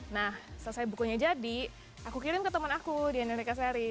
nah selesai bukunya jadi aku kirim ke temen aku di dian arik asari